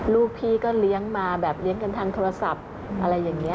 ลูกพี่ก็เลี้ยงมาแบบเลี้ยงกันทางโทรศัพท์อะไรอย่างนี้